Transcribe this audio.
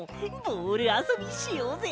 ボールあそびしようぜ！